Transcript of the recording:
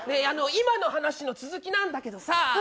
今の話の続きなんだけどさぁ。